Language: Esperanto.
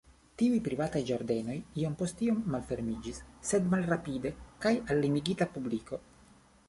Tiuj privataj ĝardenoj iom post iom malfermiĝis sed malrapide kaj al limigita publiko.